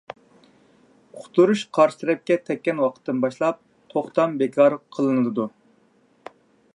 ئۇقتۇرۇش قارشى تەرەپكە تەگكەن ۋاقىتتىن باشلاپ توختام بىكار قىلىنىدۇ.